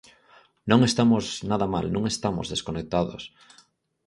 Non estamos nada mal, non estamos desconectados.